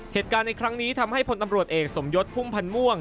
เหตุการณ์ในครั้งนี้ทำให้พลตำรวจเอกสมยศพุ่มพันธ์ม่วง